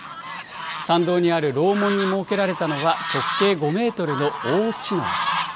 参道にある楼門に設けられたのは、直径５メートルの大茅の輪。